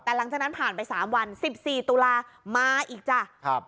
แต่หลังจากนั้นผ่านไป๓วัน๑๔ตุลามาอีกจ้ะครับ